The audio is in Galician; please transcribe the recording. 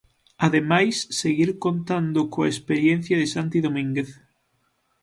Ademais seguir contando coa experiencia de Santi Domínguez.